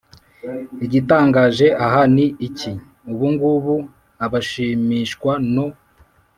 igitangaje aha ni iki? ubungubu abashimishwa no